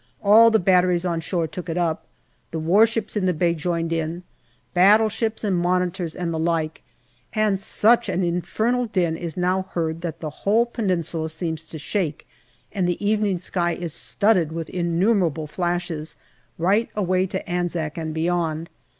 All the batteries on shore took it up ; the warships in the bay joined in battleships and Monitors and the like and such an infernal din is now heard that the whole Peninsula seems to shake, and the evening sky is studded with innumerable flashes, right away to Anzac and beyond.